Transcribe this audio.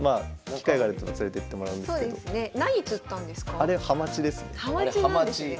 あれハマチです。